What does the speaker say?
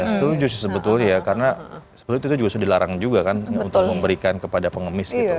setuju sih sebetulnya ya karena sebetulnya kita juga sudah dilarang juga kan untuk memberikan kepada pengemis gitu